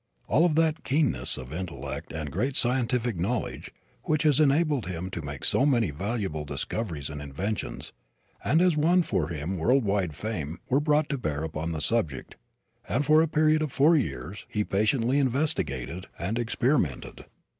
All of that keenness of intellect and great scientific knowledge, which has enabled him to make so many valuable discoveries and inventions, and has won for him world wide fame, were brought to bear upon the subject, and for a period of four years he patiently investigated and experimented.